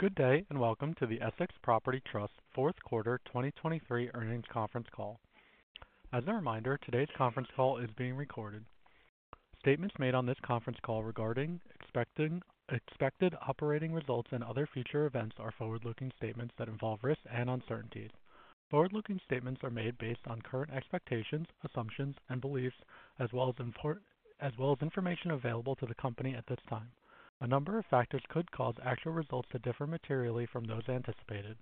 Good day, and welcome to the Essex Property Trust fourth quarter 2023 earnings conference call. As a reminder, today's conference call is being recorded. Statements made on this conference call regarding expected operating results and other future events are forward-looking statements that involve risks and uncertainties. Forward-looking statements are made based on current expectations, assumptions, and beliefs, as well as important information available to the company at this time. A number of factors could cause actual results to differ materially from those anticipated.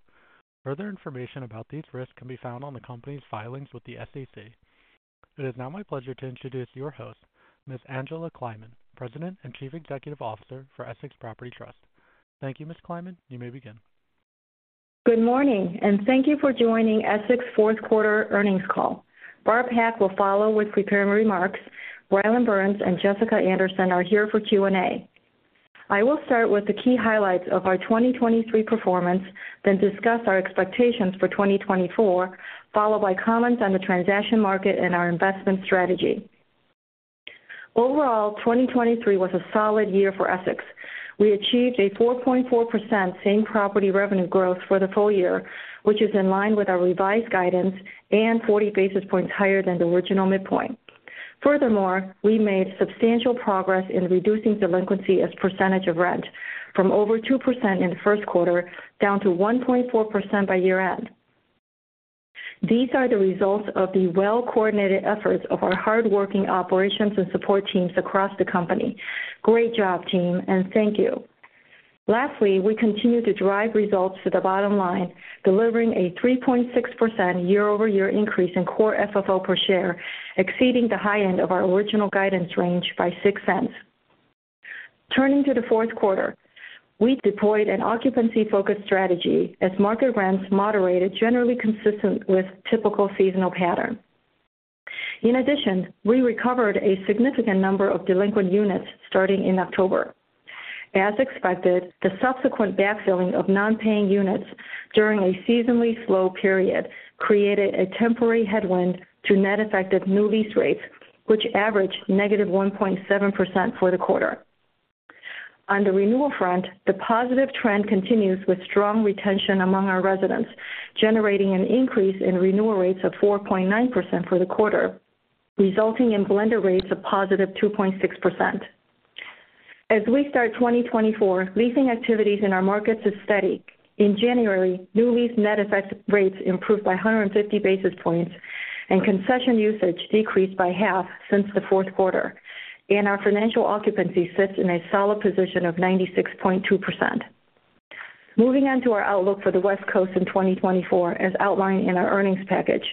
Further information about these risks can be found on the company's filings with the SEC. It is now my pleasure to introduce your host, Ms. Angela Kleiman, President and Chief Executive Officer for Essex Property Trust. Thank you, Ms. Kleiman. You may begin. Good morning, and thank you for joining Essex fourth quarter earnings call. Barb Pak will follow with prepared remarks. Rylan Burns and Jessica Anderson are here for Q&A. I will start with the key highlights of our 2023 performance, then discuss our expectations for 2024, followed by comments on the transaction market and our investment strategy. Overall, 2023 was a solid year for Essex. We achieved a 4.4% same property revenue growth for the full year, which is in line with our revised guidance and 40 basis points higher than the original midpoint. Furthermore, we made substantial progress in reducing delinquency as percentage of rent from over 2% in the first quarter down to 1.4% by year-end. These are the results of the well-coordinated efforts of our hardworking operations and support teams across the company. Great job, team, and thank you. Lastly, we continue to drive results to the bottom line, delivering a 3.6% year-over-year increase in Core FFO per share, exceeding the high end of our original guidance range by $0.06. Turning to the fourth quarter, we deployed an occupancy-focused strategy as market rents moderated, generally consistent with typical seasonal pattern. In addition, we recovered a significant number of delinquent units starting in October. As expected, the subsequent backfilling of non-paying units during a seasonally slow period created a temporary headwind to net effect of new lease rates, which averaged -1.7% for the quarter. On the renewal front, the positive trend continues with strong retention among our residents, generating an increase in renewal rates of 4.9% for the quarter, resulting in blender rates of +2.6%. As we start 2024, leasing activities in our markets is steady. In January, new lease net effect rates improved by 150 basis points, and concession usage decreased by half since the fourth quarter, and our financial occupancy sits in a solid position of 96.2%. Moving on to our outlook for the West Coast in 2024. As outlined in our earnings package,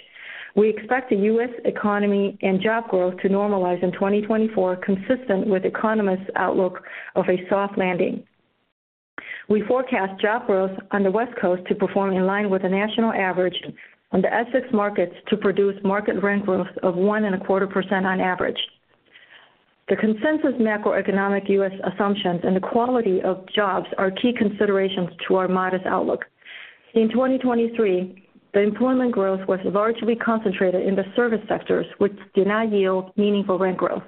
we expect the U.S. economy and job growth to normalize in 2024, consistent with economists' outlook of a soft landing. We forecast job growth on the West Coast to perform in line with the national average on the Essex markets to produce market rent growth of 1.25% on average. The consensus macroeconomic U.S. assumptions and the quality of jobs are key considerations to our modest outlook. In 2023, the employment growth was largely concentrated in the service sectors, which do not yield meaningful rent growth.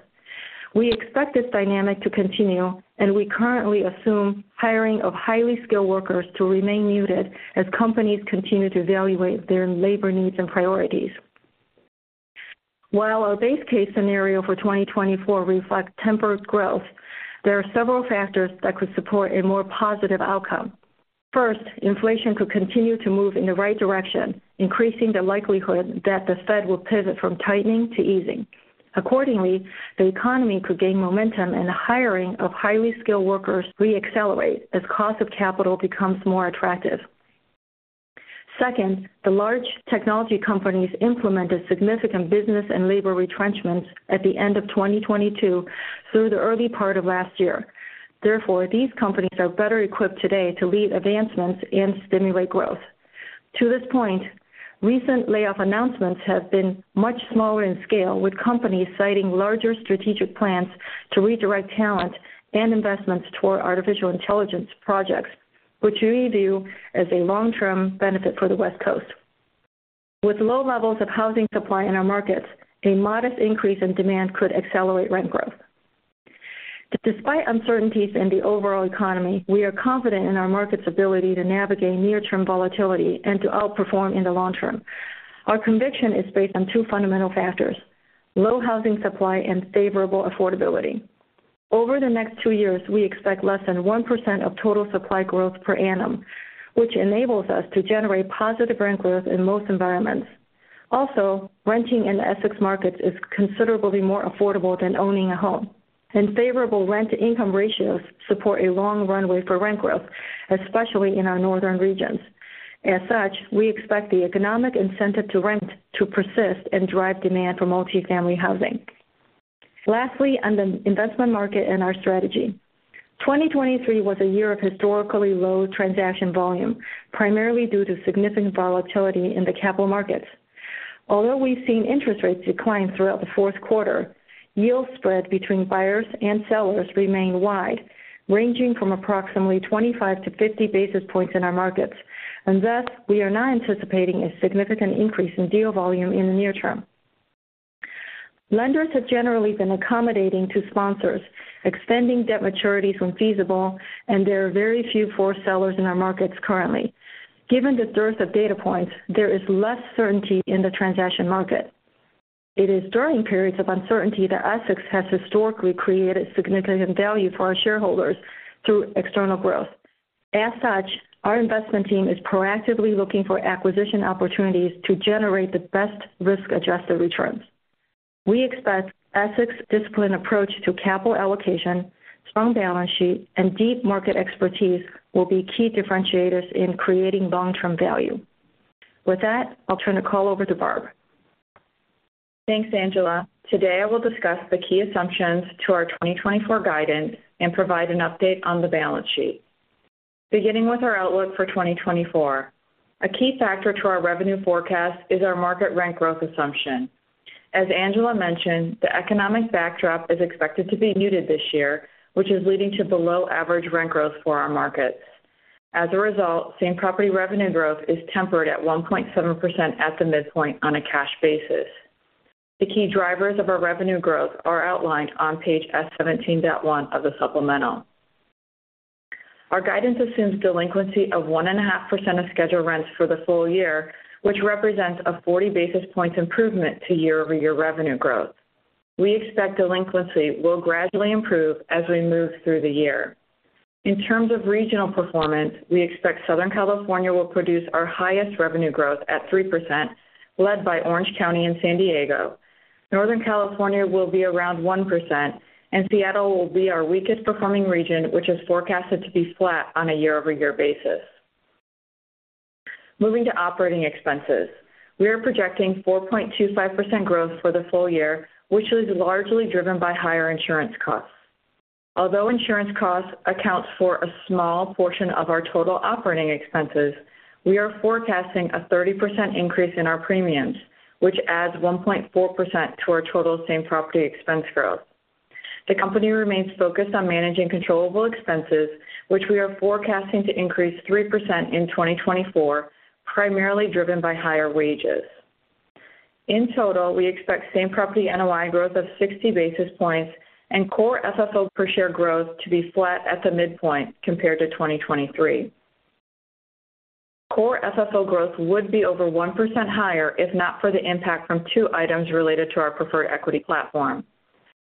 We expect this dynamic to continue, and we currently assume hiring of highly skilled workers to remain muted as companies continue to evaluate their labor needs and priorities. While our base case scenario for 2024 reflects tempered growth, there are several factors that could support a more positive outcome. First, inflation could continue to move in the right direction, increasing the likelihood that the Fed will pivot from tightening to easing. Accordingly, the economy could gain momentum, and the hiring of highly skilled workers re-accelerate as cost of capital becomes more attractive. Second, the large technology companies implemented significant business and labor retrenchments at the end of 2022 through the early part of last year. Therefore, these companies are better equipped today to lead advancements and stimulate growth. To this point, recent layoff announcements have been much smaller in scale, with companies citing larger strategic plans to redirect talent and investments toward artificial intelligence projects, which we view as a long-term benefit for the West Coast. With low levels of housing supply in our markets, a modest increase in demand could accelerate rent growth. But despite uncertainties in the overall economy, we are confident in our market's ability to navigate near-term volatility and to outperform in the long term. Our conviction is based on two fundamental factors: low housing supply and favorable affordability. Over the next two years, we expect less than 1% of total supply growth per annum, which enables us to generate positive rent growth in most environments. Also, renting in the Essex markets is considerably more affordable than owning a home, and favorable rent-to-income ratios support a long runway for rent growth, especially in our northern regions. As such, we expect the economic incentive to rent to persist and drive demand for multifamily housing. Lastly, on the investment market and our strategy. 2023 was a year of historically low transaction volume, primarily due to significant volatility in the capital markets. Although we've seen interest rates decline throughout the fourth quarter, yield spread between buyers and sellers remained wide, ranging from approximately 25-50 basis points in our markets, and thus, we are not anticipating a significant increase in deal volume in the near term. Lenders have generally been accommodating to sponsors, extending debt maturities when feasible, and there are very few forced sellers in our markets currently. Given the dearth of data points, there is less certainty in the transaction market. It is during periods of uncertainty that Essex has historically created significant value for our shareholders through external growth. As such, our investment team is proactively looking for acquisition opportunities to generate the best risk-adjusted returns. We expect Essex's disciplined approach to capital allocation, strong balance sheet, and deep market expertise will be key differentiators in creating long-term value. With that, I'll turn the call over to Barb. Thanks, Angela. Today, I will discuss the key assumptions to our 2024 guidance and provide an update on the balance sheet. Beginning with our outlook for 2024, a key factor to our revenue forecast is our market rent growth assumption. As Angela mentioned, the economic backdrop is expected to be muted this year, which is leading to below average rent growth for our markets. As a result, same-property revenue growth is tempered at 1.7% at the midpoint on a cash basis. The key drivers of our revenue growth are outlined on page S17.1 of the supplemental. Our guidance assumes delinquency of 1.5% of scheduled rents for the full year, which represents a 40 basis points improvement to year-over-year revenue growth. We expect delinquency will gradually improve as we move through the year. In terms of regional performance, we expect Southern California will produce our highest revenue growth at 3%, led by Orange County and San Diego. Northern California will be around 1%, and Seattle will be our weakest performing region, which is forecasted to be flat on a year-over-year basis. Moving to operating expenses. We are projecting 4.25% growth for the full year, which is largely driven by higher insurance costs. Although insurance costs accounts for a small portion of our total operating expenses, we are forecasting a 30% increase in our premiums, which adds 1.4% to our total same-property expense growth. The company remains focused on managing controllable expenses, which we are forecasting to increase 3% in 2024, primarily driven by higher wages. In total, we expect same-property NOI growth of 60 basis points and Core FFO per share growth to be flat at the midpoint compared to 2023. Core FFO growth would be over 1% higher, if not for the impact from two items related to our preferred equity platform.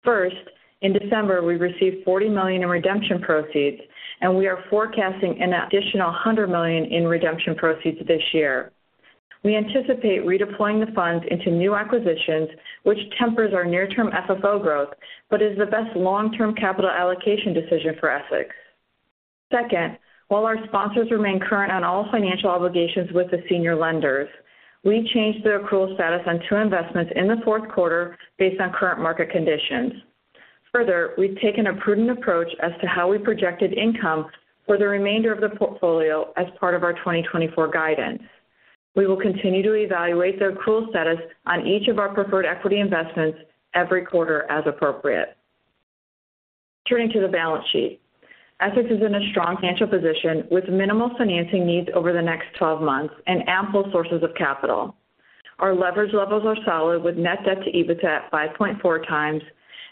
First, in December, we received $40 million in redemption proceeds, and we are forecasting an additional $100 million in redemption proceeds this year. We anticipate redeploying the funds into new acquisitions, which tempers our near-term FFO growth, but is the best long-term capital allocation decision for Essex. Second, while our sponsors remain current on all financial obligations with the senior lenders, we changed the accrual status on two investments in the fourth quarter based on current market conditions. Further, we've taken a prudent approach as to how we projected income for the remainder of the portfolio as part of our 2024 guidance. We will continue to evaluate the accrual status on each of our preferred equity investments every quarter as appropriate. Turning to the balance sheet. Essex is in a strong financial position, with minimal financing needs over the next 12 months and ample sources of capital. Our leverage levels are solid, with net debt to EBITDA at 5.4 times,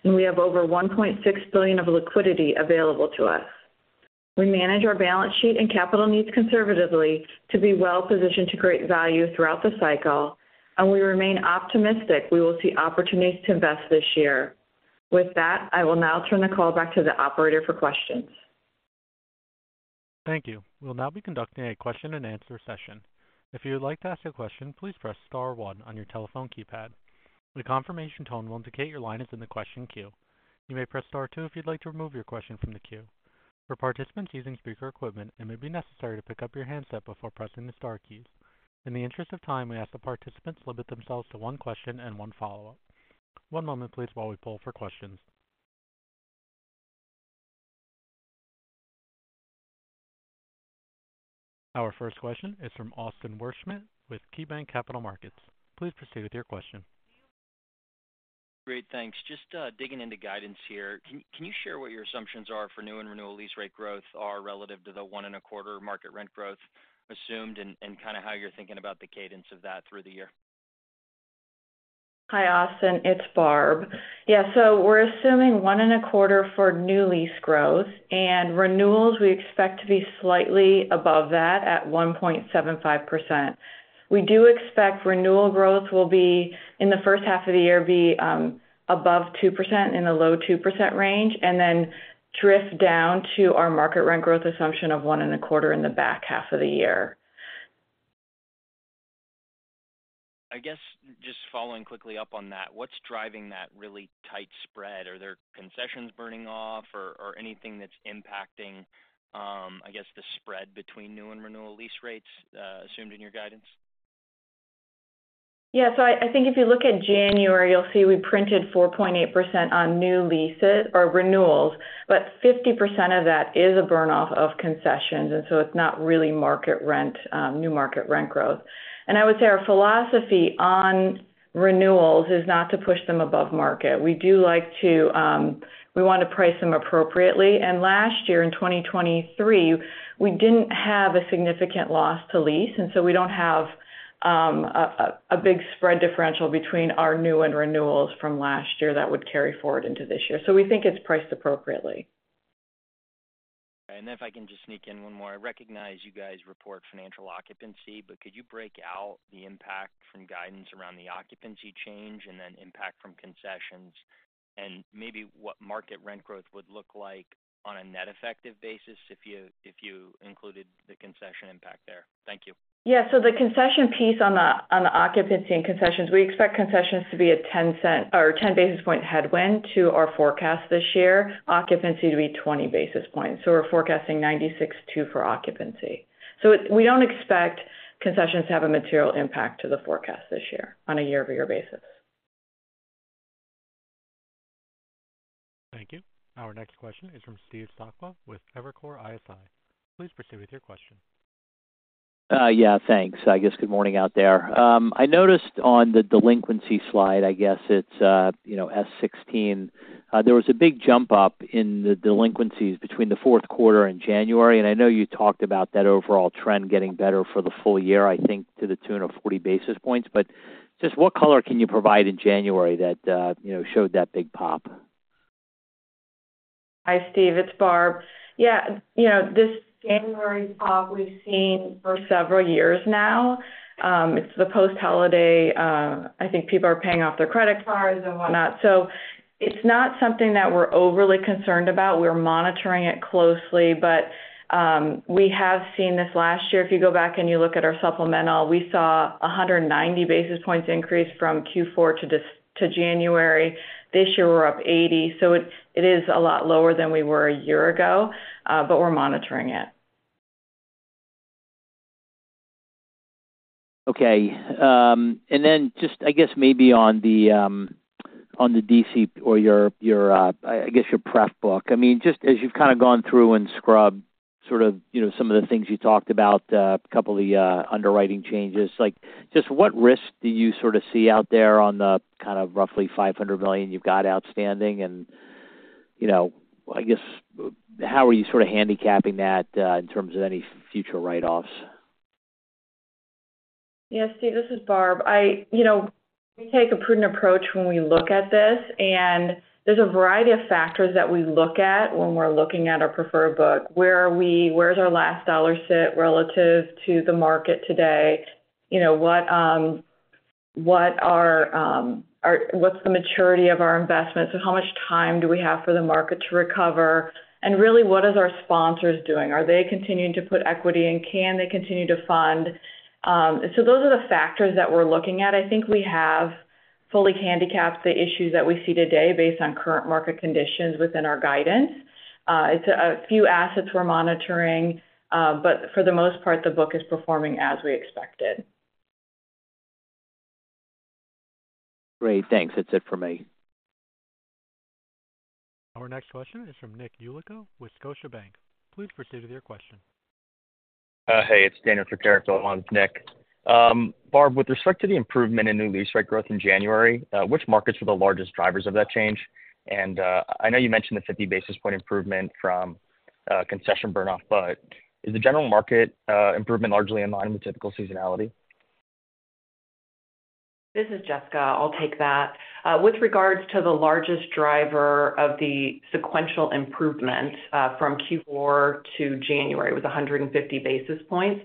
and we have over $1.6 billion of liquidity available to us. We manage our balance sheet and capital needs conservatively to be well positioned to create value throughout the cycle, and we remain optimistic we will see opportunities to invest this year. With that, I will now turn the call back to the operator for questions. Thank you. We'll now be conducting a question-and-answer session. If you would like to ask a question, please press star one on your telephone keypad. The confirmation tone will indicate your line is in the question queue. You may press star two if you'd like to remove your question from the queue. For participants using speaker equipment, it may be necessary to pick up your handset before pressing the star keys. In the interest of time, we ask that participants limit themselves to one question and one follow-up. One moment please, while we poll for questions. Our first question is from Austin Wurschmidt with KeyBanc Capital Markets. Please proceed with your question. Great, thanks. Just digging into guidance here, can you share what your assumptions are for new and renewal lease rate growth are relative to the 1.25 market rent growth assumed and kind of how you're thinking about the cadence of that through the year? Hi, Austin, it's Barb. Yeah, so we're assuming 1.25% for new lease growth, and renewals, we expect to be slightly above that at 1.75%. We do expect renewal growth will be, in the first half of the year, above 2%, in the low 2% range, and then drift down to our market rent growth assumption of 1.25% in the back half of the year. I guess just following quickly up on that, what's driving that really tight spread? Are there concessions burning off or, or anything that's impacting, I guess, the spread between new and renewal lease rates assumed in your guidance? Yeah. So I, I think if you look at January, you'll see we printed 4.8% on new leases or renewals, but 50% of that is a burn off of concessions, and so it's not really market rent, new market rent growth. And I would say our philosophy on renewals is not to push them above market. We do like to, we want to price them appropriately, and last year, in 2023, we didn't have a significant loss to lease, and so we don't have a big spread differential between our new and renewals from last year that would carry forward into this year. So we think it's priced appropriately. If I can just sneak in one more. I recognize you guys report financial occupancy, but could you break out the impact from guidance around the occupancy change and then impact from concessions? Maybe what market rent growth would look like on a net effective basis if you, if you included the concession impact there? Thank you. Yeah. So the concession piece on the, on the occupancy and concessions, we expect concessions to be a 10 cent-- or 10 basis point headwind to our forecast this year, occupancy to be 20 basis points. So we're forecasting 96.2 for occupancy. So it-- we don't expect concessions to have a material impact to the forecast this year on a year-over-year basis. Thank you. Our next question is from Steve Sakwa with Evercore ISI. Please proceed with your question. Yeah, thanks. I guess good morning out there. I noticed on the delinquency slide, I guess it's, you know, S16. There was a big jump up in the delinquencies between the fourth quarter and January, and I know you talked about that overall trend getting better for the full year, I think, to the tune of 40 basis points. But just what color can you provide in January that, you know, showed that big pop? Hi, Steve, it's Barb. Yeah, you know, this January pop we've seen for several years now. It's the post-holiday, I think people are paying off their credit cards and whatnot. So it's not something that we're overly concerned about. We're monitoring it closely, but we have seen this last year. If you go back and you look at our supplemental, we saw 190 basis points increase from Q4 to this, to January. This year, we're up 80, so it is a lot lower than we were a year ago, but we're monitoring it. Okay. And then just, I guess, maybe on the DC or your, your, I guess, your pref book. I mean, just as you've kind of gone through and scrubbed sort of, you know, some of the things you talked about, a couple of the underwriting changes, like, just what risk do you sort of see out there on the kind of roughly $500 million you've got outstanding? And, you know, I guess, how are you sort of handicapping that in terms of any future write-offs? Yeah, Steve, this is Barb. You know, we take a prudent approach when we look at this, and there's a variety of factors that we look at when we're looking at our preferred book. Where are we? Where's our last dollar sit relative to the market today? You know, what's the maturity of our investments? So how much time do we have for the market to recover? And really, what is our sponsors doing? Are they continuing to put equity, and can they continue to fund? So those are the factors that we're looking at. I think we have fully handicapped the issues that we see today based on current market conditions within our guidance. It's a few assets we're monitoring, but for the most part, the book is performing as we expected. Great, thanks. That's it for me. Our next question is from Nick Yulico with Scotiabank. Please proceed with your question. Hey, it's Daniel Tricarico with Nick. Barb, with respect to the improvement in new lease rate growth in January, which markets were the largest drivers of that change? And, I know you mentioned the 50 basis point improvement from, concession burn off, but is the general market, improvement largely in line with typical seasonality? This is Jessica. I'll take that. With regards to the largest driver of the sequential improvement from Q4 to January, it was 150 basis points.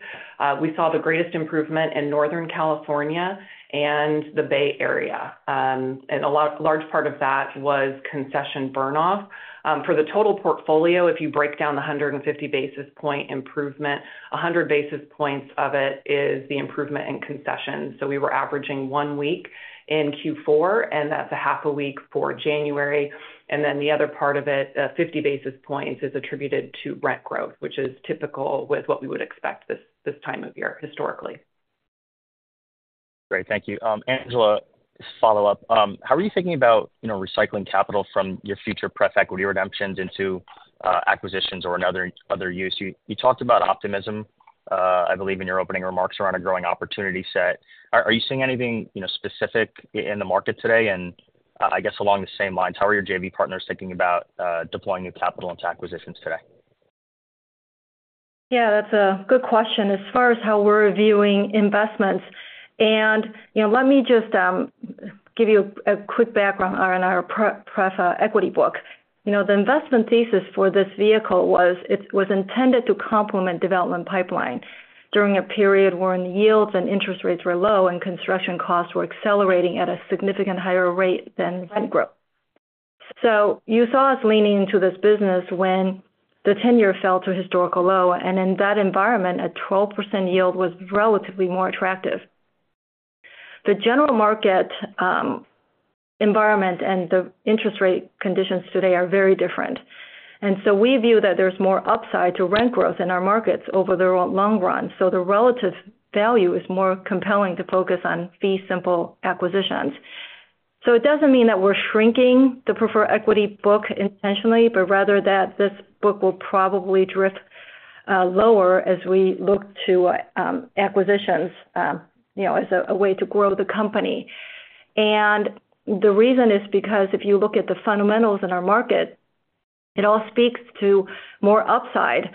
We saw the greatest improvement in Northern California and the Bay Area. And a large part of that was concession burn off. For the total portfolio, if you break down the 150 basis point improvement, 100 basis points of it is the improvement in concessions. So we were averaging 1 week in Q4, and that's a half a week for January. And then the other part of it, 50 basis points, is attributed to rent growth, which is typical with what we would expect this time of year, historically. Great. Thank you. Angela, just follow up. How are you thinking about, you know, recycling capital from your future pref equity redemptions into, acquisitions or another, other use? You talked about optimism, I believe in your opening remarks around a growing opportunity set. Are you seeing anything, you know, specific in the market today? And, I guess along the same lines, how are your JV partners thinking about, deploying new capital into acquisitions today? Yeah, that's a good question. As far as how we're viewing investments, and, you know, let me just give you a quick background on our preferred equity book. You know, the investment thesis for this vehicle was it was intended to complement development pipeline during a period when yields and interest rates were low and construction costs were accelerating at a significantly higher rate than rent growth. So you saw us leaning into this business when the 10-year fell to a historical low, and in that environment, a 12% yield was relatively more attractive. The general market environment and the interest rate conditions today are very different. And so we view that there's more upside to rent growth in our markets over the long run. So the relative value is more compelling to focus on fee simple acquisitions. So it doesn't mean that we're shrinking the preferred equity book intentionally, but rather that this book will probably drift lower as we look to acquisitions, you know, as a way to grow the company. And the reason is because if you look at the fundamentals in our market, it all speaks to more upside,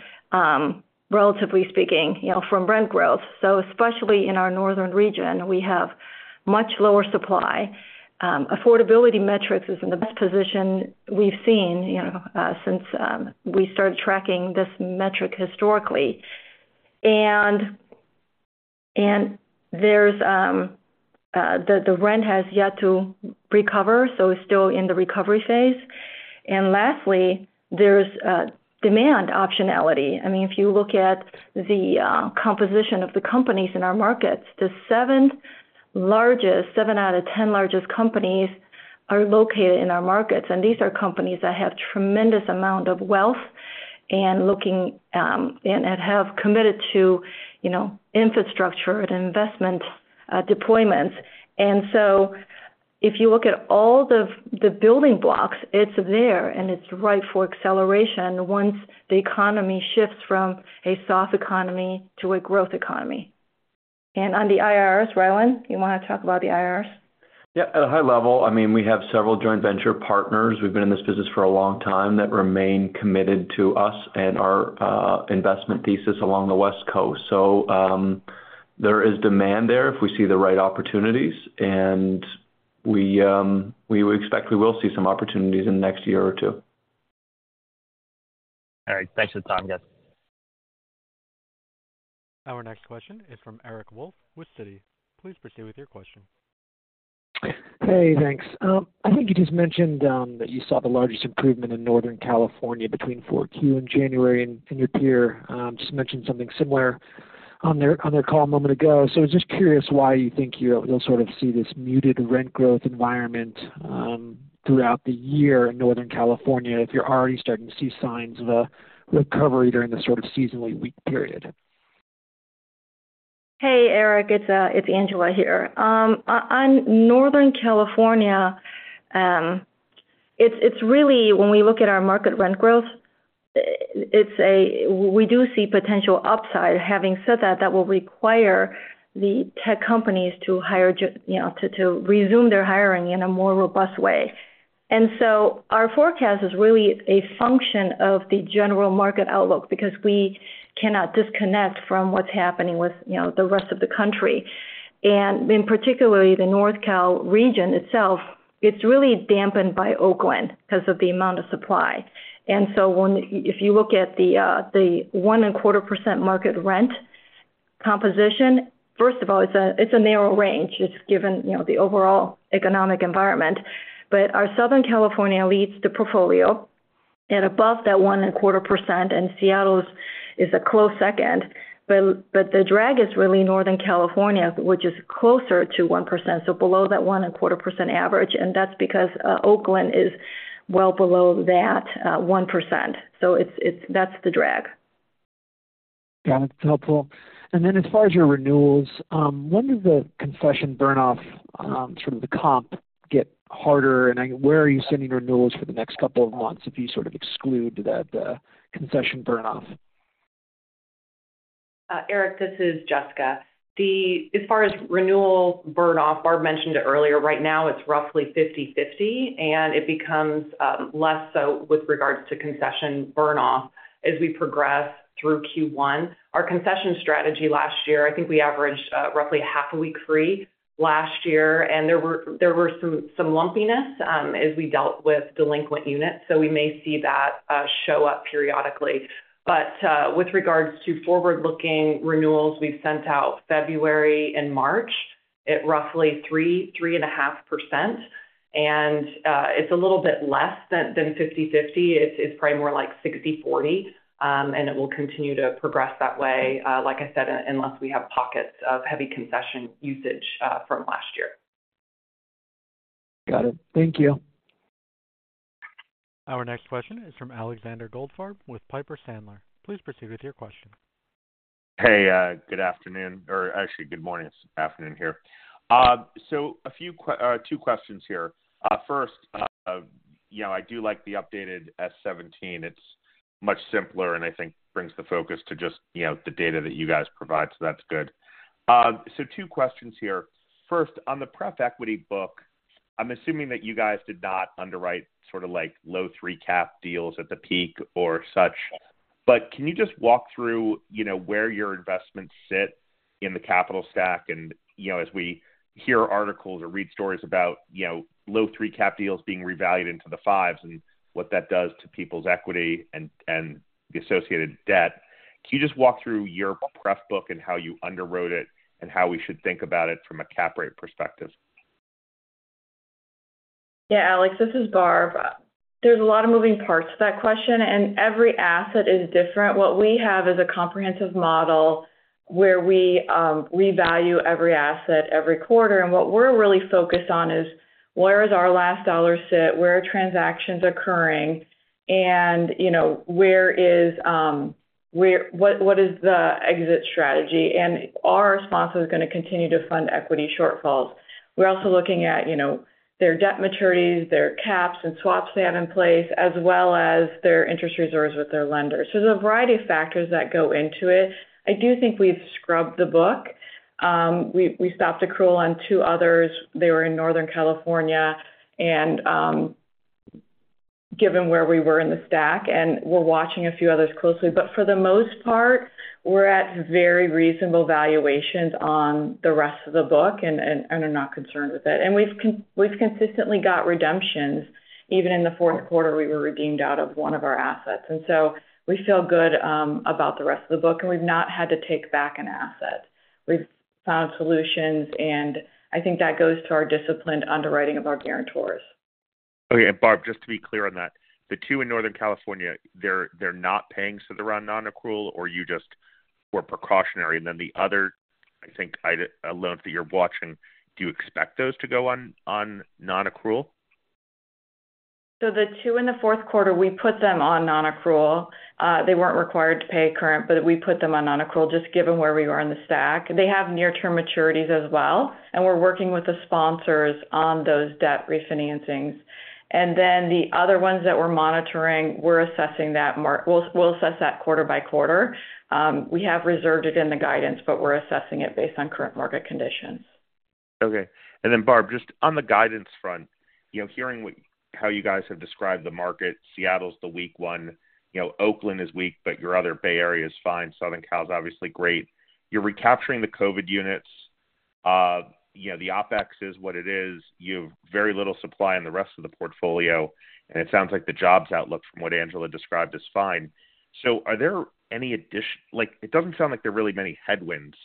relatively speaking, you know, from rent growth. So especially in our northern region, we have much lower supply. Affordability metrics is in the best position we've seen, you know, since we started tracking this metric historically. And there's the rent has yet to recover, so it's still in the recovery phase. And lastly, there's demand optionality. I mean, if you look at the composition of the companies in our markets, the seven largest, seven out of ten largest companies are located in our markets. And these are companies that have tremendous amount of wealth and looking, and, and have committed to, you know, infrastructure and investment deployments. And so if you look at all the, the building blocks, it's there, and it's ripe for acceleration once the economy shifts from a soft economy to a growth economy. And on the IRFs, Rylan, you want to talk about the IRFs? Yeah. At a high level, I mean, we have several joint venture partners. We've been in this business for a long time, that remain committed to us and our investment thesis along the West Coast. So, there is demand there if we see the right opportunities, and we, we expect we will see some opportunities in the next year or two. All right. Thanks for the time, guys. Our next question is from Eric Wolfe with Citi. Please proceed with your question. Hey, thanks. I think you just mentioned that you saw the largest improvement in Northern California between 4Q in January, and your peer just mentioned something similar on their call a moment ago. So I was just curious why you think you'll sort of see this muted rent growth environment throughout the year in Northern California, if you're already starting to see signs of a recovery during the sort of seasonally weak period? Hey, Eric, it's Angela here. On Northern California, it's really when we look at our market rent growth, it's we do see potential upside. Having said that, that will require the tech companies to hire, you know, to resume their hiring in a more robust way. And so our forecast is really a function of the general market outlook, because we cannot disconnect from what's happening with, you know, the rest of the country. And in particular, the North Cal region itself, it's really dampened by Oakland because of the amount of supply. And so if you look at the 1.25% market rent composition, first of all, it's a narrow range. It's given, you know, the overall economic environment. But our Southern California leads the portfolio, and above that 1.25%, and Seattle is a close second. But the drag is really Northern California, which is closer to 1%, so below that 1.25% average, and that's because Oakland is well below that 1%. So it's. That's the drag. Got it. It's helpful. And then, as far as your renewals, when did the concession burn off, sort of the comp get harder? And where are you seeing renewals for the next couple of months if you sort of exclude that, concession burn off? Eric, this is Jessica. As far as renewal burn off, Barb mentioned it earlier, right now, it's roughly 50/50, and it becomes less so with regards to concession burn off as we progress through Q1. Our concession strategy last year, I think we averaged roughly half a week free last year, and there were some lumpiness as we dealt with delinquent units, so we may see that show up periodically. But with regards to forward-looking renewals, we've sent out February and March at roughly 3%-3.5%, and it's a little bit less than 50/50. It's probably more like 60/40, and it will continue to progress that way, like I said, unless we have pockets of heavy concession usage from last year. Got it. Thank you. Our next question is from Alexander Goldfarb with Piper Sandler. Please proceed with your question. Hey, good afternoon, or actually, good morning. It's afternoon here. So two questions here. First, you know, I do like the updated S-17. It's much simpler, and I think brings the focus to just, you know, the data that you guys provide. So that's good. So two questions here. First, on the pref equity book, I'm assuming that you guys did not underwrite sort of like low 3 cap deals at the peak or such. But can you just walk through, you know, where your investments sit in the capital stack? You know, as we hear articles or read stories about, you know, low 3 cap deals being revalued into the 5s and what that does to people's equity and, and the associated debt, can you just walk through your pref book and how you underwrote it and how we should think about it from a cap rate perspective? Yeah, Alex, this is Barb. There's a lot of moving parts to that question, and every asset is different. What we have is a comprehensive model where we revalue every asset every quarter. And what we're really focused on is where does our last dollar sit, where are transactions occurring, and, you know, where is, where—what is the exit strategy? And our sponsor is going to continue to fund equity shortfalls. We're also looking at, you know, their debt maturities, their caps and swaps they have in place, as well as their interest reserves with their lenders. So there's a variety of factors that go into it. I do think we've scrubbed the book. We stopped accrual on two others. They were in Northern California, and given where we were in the stack, and we're watching a few others closely. But for the most part, we're at very reasonable valuations on the rest of the book, and are not concerned with it. And we've consistently got redemptions. Even in the fourth quarter, we were redeemed out of one of our assets, and so we feel good about the rest of the book, and we've not had to take back an asset.... We've found solutions, and I think that goes to our disciplined underwriting of our guarantors. Okay. And Barb, just to be clear on that, the two in Northern California, they're not paying, so they're on nonaccrual, or you just were precautionary? And then the other, I think, item, loans that you're watching, do you expect those to go on nonaccrual? So the two in the fourth quarter, we put them on nonaccrual. They weren't required to pay current, but we put them on nonaccrual, just given where we are in the stack. They have near-term maturities as well, and we're working with the sponsors on those debt refinancings. And then the other ones that we're monitoring, we're assessing that mark. We'll assess that quarter by quarter. We have reserved it in the guidance, but we're assessing it based on current market conditions. Okay. And then, Barb, just on the guidance front, you know, hearing how you guys have described the market, Seattle's the weak one, you know, Oakland is weak, but your other Bay Area is fine. Southern Cal is obviously great. You're recapturing the COVID units. You know, the OpEx is what it is. You have very little supply in the rest of the portfolio, and it sounds like the jobs outlook, from what Angela described, is fine. So are there any additional, like, it doesn't sound like there are really many headwinds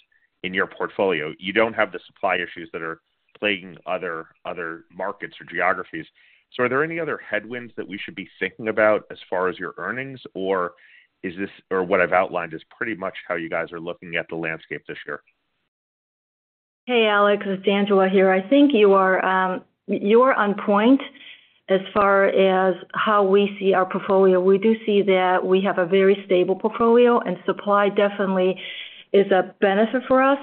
in your portfolio. You don't have the supply issues that are plaguing other, other markets or geographies. So are there any other headwinds that we should be thinking about as far as your earnings, or is this, or what I've outlined is pretty much how you guys are looking at the landscape this year? Hey, Alex, it's Angela here. I think you are, you are on point as far as how we see our portfolio. We do see that we have a very stable portfolio, and supply definitely is a benefit for us.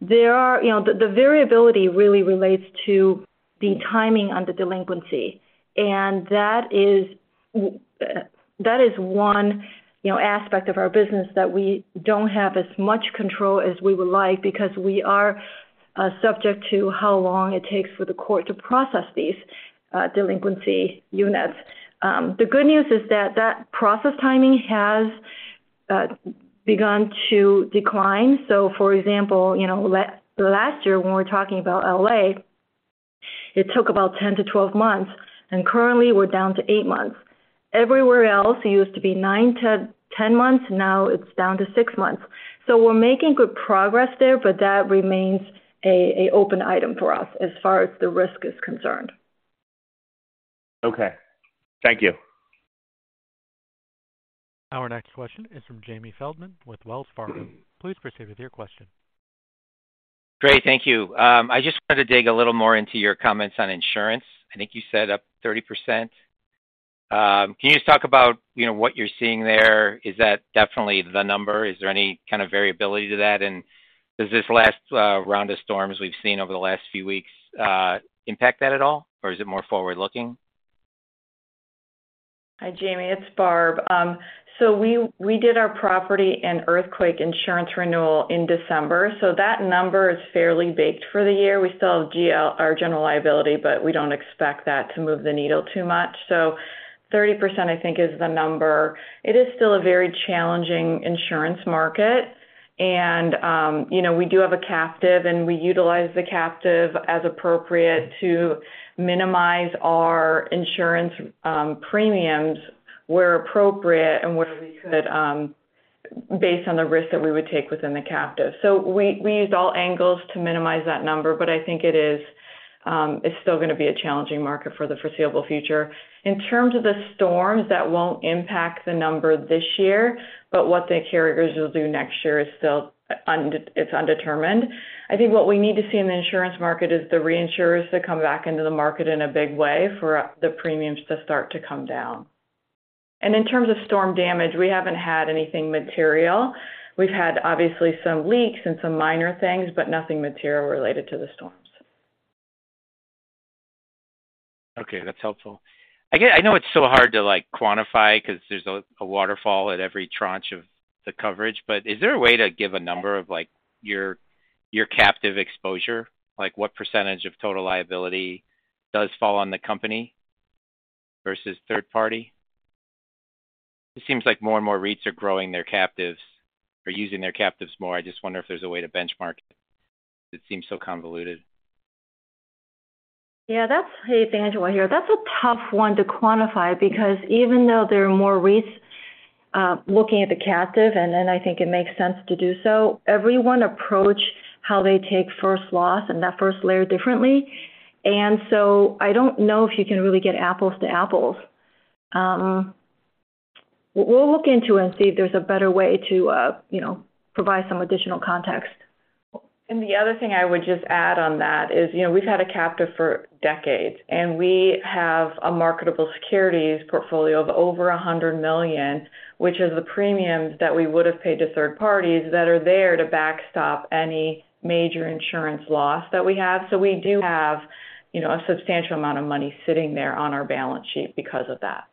There are, you know, the, the variability really relates to the timing on the delinquency, and that is, that is one, you know, aspect of our business that we don't have as much control as we would like, because we are, subject to how long it takes for the court to process these, delinquency units. The good news is that that process timing has begun to decline. So for example, you know, last year, when we were talking about LA, it took about 10-12 months, and currently we're down to 8 months. Everywhere else, it used to be 9-10 months, now it's down to 6 months. So we're making good progress there, but that remains a open item for us as far as the risk is concerned. Okay. Thank you. Our next question is from Jamie Feldman with Wells Fargo. Please proceed with your question. Great. Thank you. I just wanted to dig a little more into your comments on insurance. I think you said up 30%. Can you just talk about, you know, what you're seeing there? Is that definitely the number? Is there any kind of variability to that? And does this last round of storms we've seen over the last few weeks impact that at all, or is it more forward-looking? Hi, Jamie, it's Barb. So we did our property and earthquake insurance renewal in December, so that number is fairly baked for the year. We still have GL, our general liability, but we don't expect that to move the needle too much. So 30%, I think, is the number. It is still a very challenging insurance market, and, you know, we do have a captive, and we utilize the captive as appropriate to minimize our insurance premiums where appropriate and where we could, based on the risk that we would take within the captive. So we used all angles to minimize that number, but I think it is, it's still gonna be a challenging market for the foreseeable future. In terms of the storms, that won't impact the number this year, but what the carriers will do next year is still undetermined. I think what we need to see in the insurance market is the reinsurers to come back into the market in a big way for the premiums to start to come down. In terms of storm damage, we haven't had anything material. We've had, obviously, some leaks and some minor things, but nothing material related to the storms. Okay, that's helpful. I get, I know it's so hard to, like, quantify because there's a waterfall at every tranche of the coverage, but is there a way to give a number of, like, your captive exposure? Like, what percentage of total liability does fall on the company versus third party? It seems like more and more REITs are growing their captives or using their captives more. I just wonder if there's a way to benchmark it. It seems so convoluted. Yeah, that's. Hey, it's Angela here. That's a tough one to quantify because even though there are more REITs looking at the captive, and then I think it makes sense to do so, everyone approach how they take first loss and that first layer differently. And so I don't know if you can really get apples to apples. We'll look into it and see if there's a better way to, you know, provide some additional context. And the other thing I would just add on that is, you know, we've had a captive for decades, and we have a marketable securities portfolio of over $100 million, which is the premiums that we would have paid to third parties that are there to backstop any major insurance loss that we have. So we do have, you know, a substantial amount of money sitting there on our balance sheet because of that.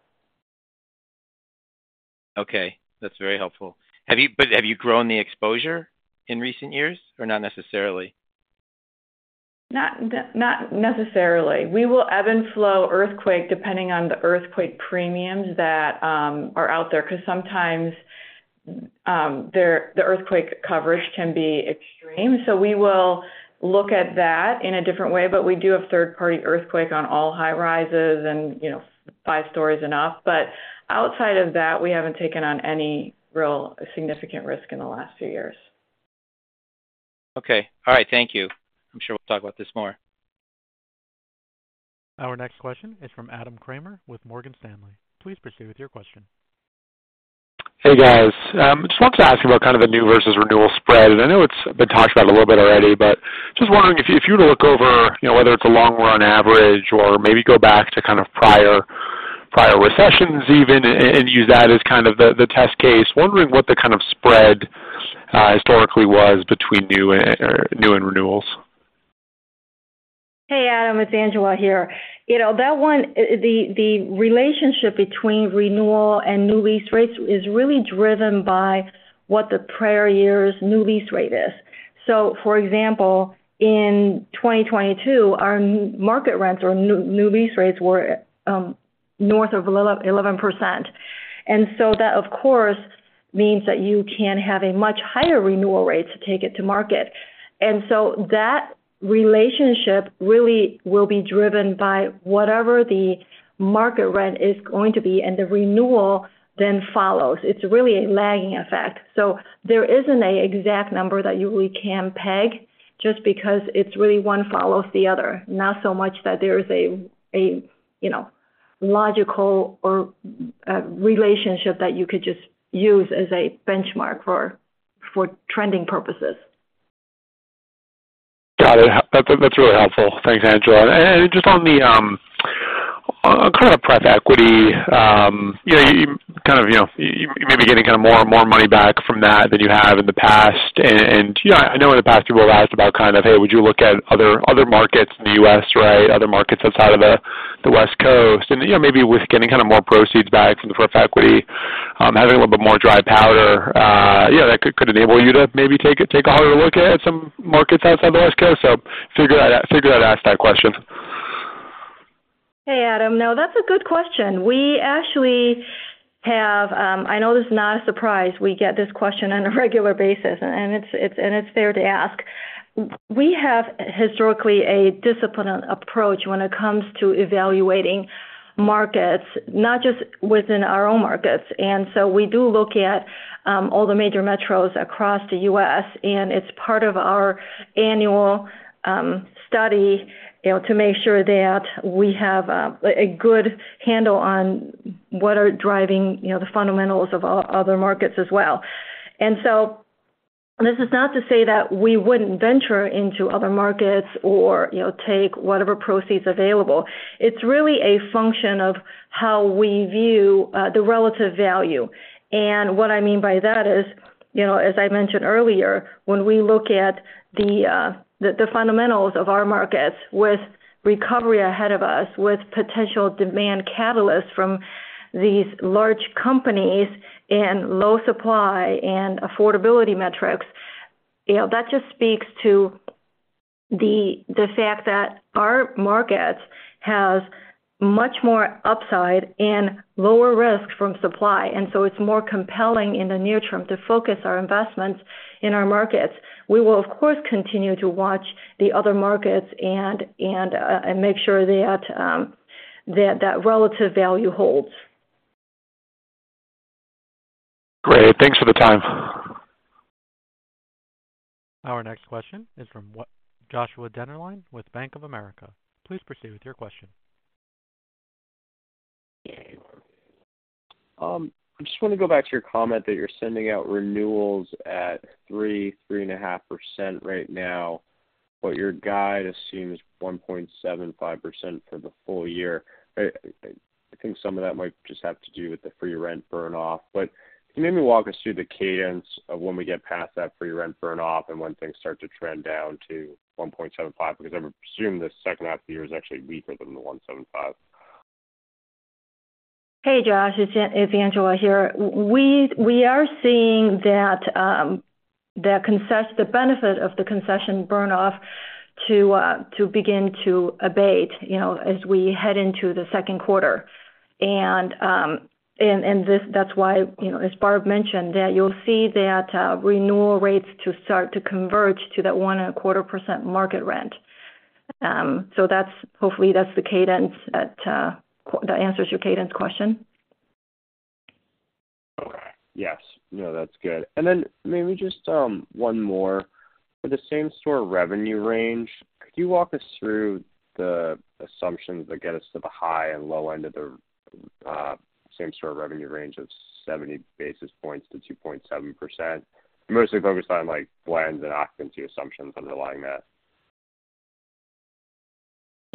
Okay, that's very helpful. Have you grown the exposure in recent years or not necessarily? Not, not necessarily. We will ebb and flow earthquake, depending on the earthquake premiums that are out there, because sometimes the earthquake coverage can be extreme. So we will look at that in a different way, but we do have third-party earthquake on all high-rises and, you know, five stories and up. But outside of that, we haven't taken on any real significant risk in the last few years. Okay, all right. Thank you. I'm sure we'll talk about this more. Our next question is from Adam Kramer with Morgan Stanley. Please proceed with your question. Hey, guys. Just wanted to ask you about kind of the new versus renewal spread, and I know it's been talked about a little bit already, but just wondering, if you were to look over, you know, whether it's a long-run average or maybe go back to kind of prior recessions even, and use that as kind of the test case, wondering what the kind of spread historically was between new and renewals? Hey, Adam, it's Angela here. You know, that one, the relationship between renewal and new lease rates is really driven by what the prior year's new lease rate is. So for example, in 2022, our market rents or new lease rates were north of 11%. And so that, of course, means that you can have a much higher renewal rate to take it to market. And so that relationship really will be driven by whatever the market rent is going to be, and the renewal then follows. It's really a lagging effect. So there isn't an exact number that you really can peg just because it's really one follows the other, not so much that there is a, you know, logical or relationship that you could just use as a benchmark for trending purposes. Got it. That's really helpful. Thanks, Angela. And just on the kind of pref equity, you know, you kind of, you know, you maybe getting kind of more and more money back from that than you have in the past. And you know, I know in the past, you were asked about kind of, Hey, would you look at other markets in the U.S., right? Other markets outside of the West Coast, and you know, maybe with getting kind of more proceeds back from the pref equity, having a little bit more dry powder, yeah, that could enable you to maybe take a harder look at some markets outside the West Coast. So figured I'd ask that question. Hey, Adam. No, that's a good question. We actually have, I know this is not a surprise. We get this question on a regular basis, and it's fair to ask. We have historically a disciplined approach when it comes to evaluating markets, not just within our own markets. And so we do look at all the major metros across the US, and it's part of our annual study, you know, to make sure that we have a good handle on what are driving, you know, the fundamentals of other markets as well. And so this is not to say that we wouldn't venture into other markets or, you know, take whatever proceeds available. It's really a function of how we view the relative value. What I mean by that is, you know, as I mentioned earlier, when we look at the fundamentals of our markets with recovery ahead of us, with potential demand catalysts from these large companies and low supply and affordability metrics, you know, that just speaks to the fact that our markets has much more upside and lower risk from supply, and so it's more compelling in the near term to focus our investments in our markets. We will, of course, continue to watch the other markets and make sure that relative value holds. Great. Thanks for the time. Our next question is from Joshua Dennerlein with Bank of America. Please proceed with your question. I just want to go back to your comment that you're sending out renewals at 3.5% right now, but your guide assumes 1.75% for the full year. I think some of that might just have to do with the free rent burn-off, but can you maybe walk us through the cadence of when we get past that free rent burn-off and when things start to trend down to 1.75%? Because I would assume the second half of the year is actually weaker than the 1.75%. Hey, Josh, it's Angela here. We are seeing that the benefit of the concession burn-off to begin to abate, you know, as we head into the second quarter. And that's why, you know, as Barb mentioned, that you'll see that renewal rates to start to converge to that 1.25% market rent. So that's hopefully that's the cadence that that answers your cadence question? Okay. Yes. No, that's good. And then maybe just, one more. For the same-store revenue range, could you walk us through the assumptions that get us to the high and low end of the, same-store revenue range of 70 basis points to 2.7%? Mostly focused on, like, blends and occupancy assumptions underlying that.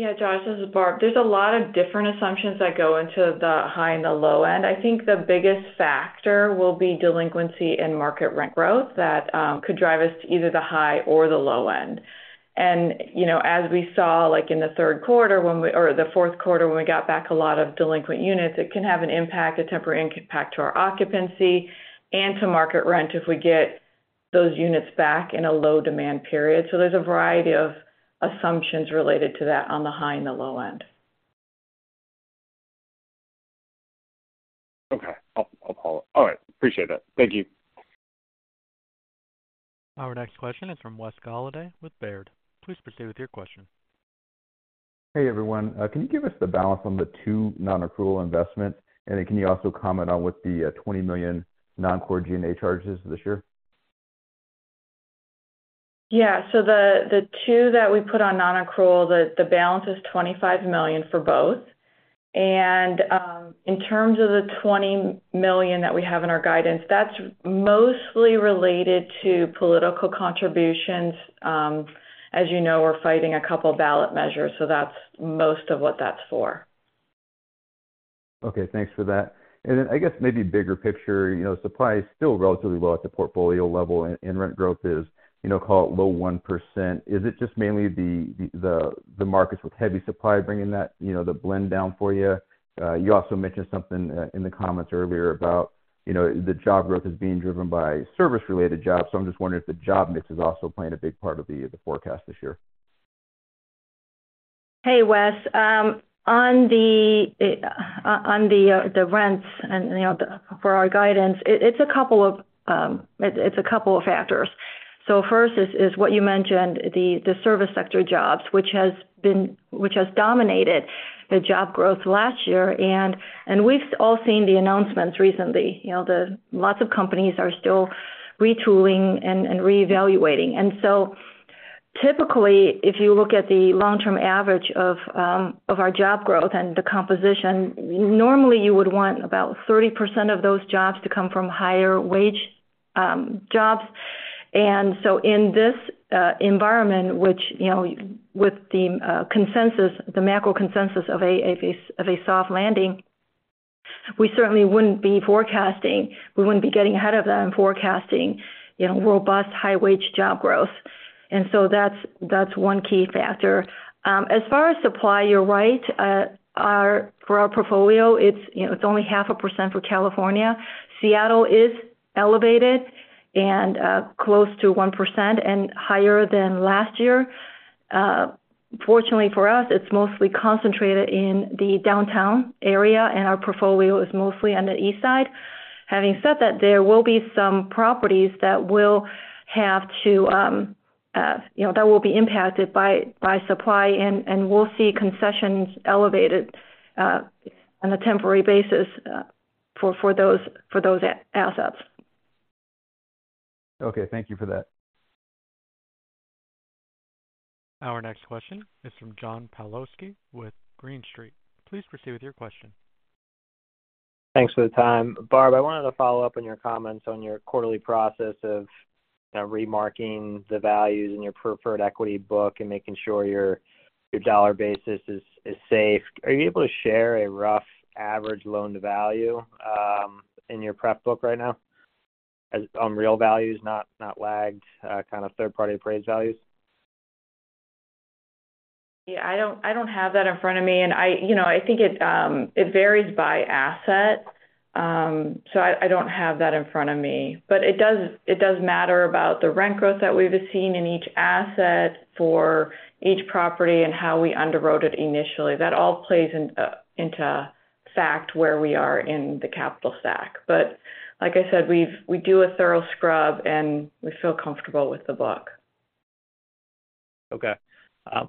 Yeah, Josh, this is Barb. There's a lot of different assumptions that go into the high and the low end. I think the biggest factor will be delinquency and market rent growth that could drive us to either the high or the low end. And, you know, as we saw, like in the third quarter when we or the fourth quarter, when we got back a lot of delinquent units, it can have an impact, a temporary impact to our occupancy and to market rent if we get those units back in a low-demand period. So there's a variety of assumptions related to that on the high and the low end.... Okay, I'll call it. All right, appreciate that. Thank you. Our next question is from Wes Golladay with Baird. Please proceed with your question. Hey, everyone. Can you give us the balance on the two nonaccrual investments? And then can you also comment on what the $20 million non-core GNA charge is this year? Yeah, so the two that we put on nonaccrual, the balance is $25 million for both. And in terms of the $20 million that we have in our guidance, that's mostly related to political contributions. As you know, we're fighting a couple ballot measures, so that's most of what that's for. Okay, thanks for that. And then I guess maybe bigger picture, you know, supply is still relatively low at the portfolio level, and rent growth is, you know, call it low 1%. Is it just mainly the markets with heavy supply bringing that, you know, the blend down for you? You also mentioned something in the comments earlier about, you know, the job growth is being driven by service-related jobs. So I'm just wondering if the job mix is also playing a big part of the forecast this year. Hey, Wes. On the rents and, you know, for our guidance, it's a couple of factors. So first is what you mentioned, the service sector jobs, which has dominated the job growth last year, and we've all seen the announcements recently. You know, a lot of companies are still retooling and reevaluating. And so typically, if you look at the long-term average of our job growth and the composition, normally you would want about 30% of those jobs to come from higher wage jobs. And so in this environment, which, you know, with the consensus, the macro consensus of a soft landing, we certainly wouldn't be forecasting. We wouldn't be getting ahead of that and forecasting, you know, robust, high-wage job growth. And so that's one key factor. As far as supply, you're right. For our portfolio, it's, you know, only 0.5% for California. Seattle is elevated and close to 1% and higher than last year. Fortunately for us, it's mostly concentrated in the downtown area, and our portfolio is mostly on the east side. Having said that, there will be some properties that, you know, will be impacted by supply, and we'll see concessions elevated on a temporary basis for those assets. Okay, thank you for that. Our next question is from John Pawlowski with Green Street. Please proceed with your question. Thanks for the time. Barb, I wanted to follow up on your comments on your quarterly process of remarketing the values in your preferred equity book and making sure your dollar basis is safe. Are you able to share a rough average loan-to-value in your pref book right now? As real values, not lagged, kind of third-party appraised values. Yeah, I don't have that in front of me, and I, you know, I think it varies by asset. So I don't have that in front of me. But it does matter about the rent growth that we've seen in each asset for each property and how we underwrote it initially. That all plays into fact, where we are in the capital stack. But like I said, we do a thorough scrub, and we feel comfortable with the book. Okay.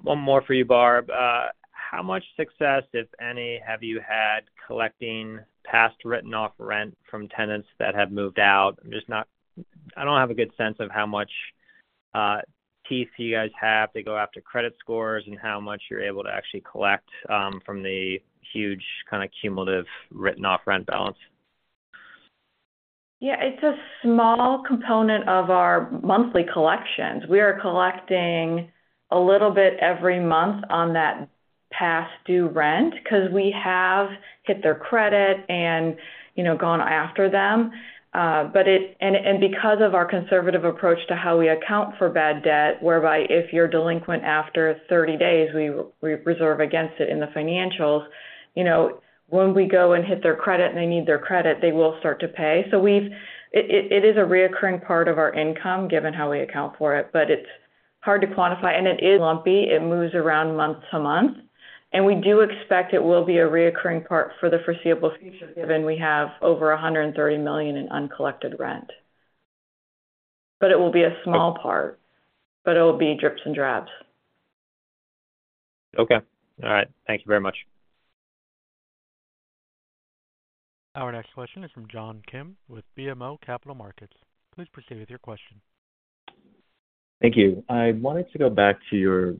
One more for you, Barb. How much success, if any, have you had collecting past written-off rent from tenants that have moved out? Just not... I don't have a good sense of how much teeth you guys have to go after credit scores and how much you're able to actually collect from the huge kind of cumulative written-off rent balance. Yeah, it's a small component of our monthly collections. We are collecting a little bit every month on that past due rent, because we have hit their credit and, you know, gone after them. But because of our conservative approach to how we account for bad debt, whereby if you're delinquent after 30 days, we reserve against it in the financials, you know, when we go and hit their credit, and they need their credit, they will start to pay. So it is a recurring part of our income, given how we account for it, but it's hard to quantify, and it is lumpy. It moves around month to month, and we do expect it will be a recurring part for the foreseeable future, given we have over $130 million in uncollected rent. It will be a small part, but it'll be drips and drabs. Okay. All right. Thank you very much. Our next question is from John Kim with BMO Capital Markets. Please proceed with your question. Thank you. I wanted to go back to your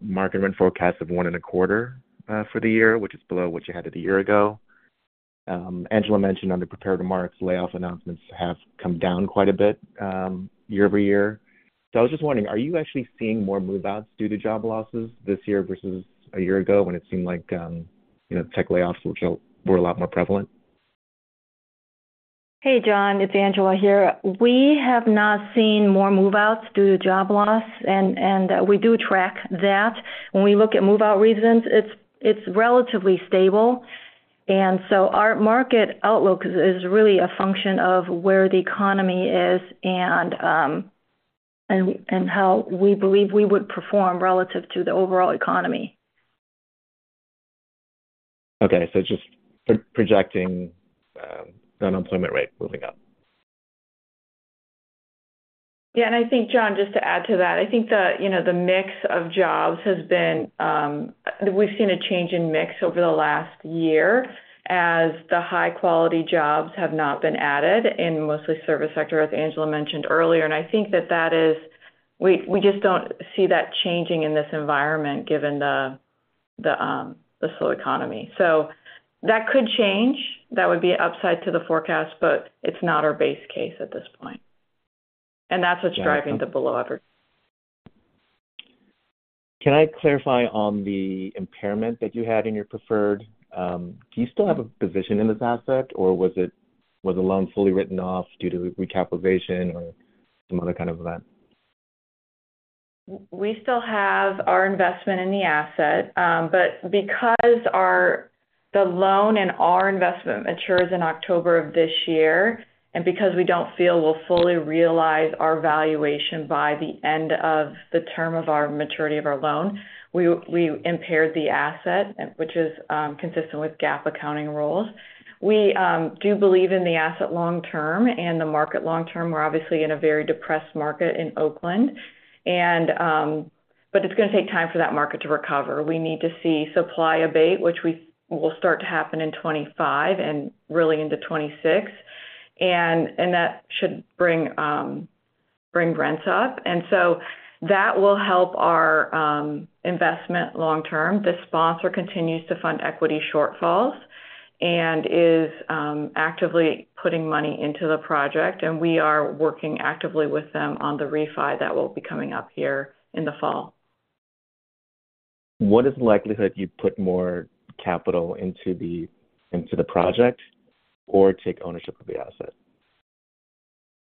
market rent forecast of 1.25 for the year, which is below what you had it a year ago. Angela mentioned on the prepared remarks, layoff announcements have come down quite a bit year-over-year. So I was just wondering, are you actually seeing more move-outs due to job losses this year versus a year ago, when it seemed like you know, tech layoffs were a lot more prevalent? Hey, John, it's Angela here. We have not seen more move-outs due to job loss, we do track that. When we look at move-out reasons, it's relatively stable. And so our market outlook is really a function of where the economy is and how we believe we would perform relative to the overall economy. Okay. So just projecting, the unemployment rate moving up. Yeah, and I think, John, just to add to that, I think the, you know, the mix of jobs has been, we've seen a change in mix over the last year as the high-quality jobs have not been added in mostly service sector, as Angela mentioned earlier. And I think that that is, we just don't see that changing in this environment given the slow economy. So that could change. That would be upside to the forecast, but it's not our base case at this point. And that's what's driving the below average. Can I clarify on the impairment that you had in your preferred? Do you still have a position in this asset, or was the loan fully written off due to recapitalization or some other kind of event? We still have our investment in the asset, but because the loan and our investment matures in October of this year, and because we don't feel we'll fully realize our valuation by the end of the term of our maturity of our loan, we impaired the asset, which is consistent with GAAP accounting rules. We do believe in the asset long term and the market long term. We're obviously in a very depressed market in Oakland, but it's going to take time for that market to recover. We need to see supply abate, which will start to happen in 2025 and really into 2026. And that should bring rents up. And so that will help our investment long term. The sponsor continues to fund equity shortfalls and is actively putting money into the project, and we are working actively with them on the refi that will be coming up here in the fall. What is the likelihood you'd put more capital into the project or take ownership of the asset?